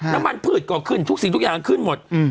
น้้ำมันผืดกลกขึ้นทุกสิ่งทุกอย่างขึ้นหมด